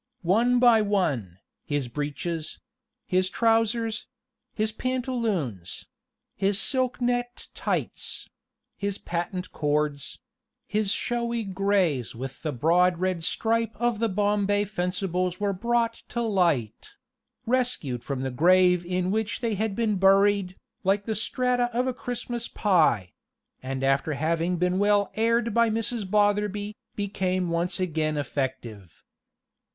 One by one, his breeches his trousers his pantaloons his silk net tights his patent cords his showy greys with the broad red stripe of the Bombay Fencibles were brought to light rescued from the grave in which they had been buried, like the strata of a Christmas pie; and after having been well aired by Mrs. Botherby, became once again effective.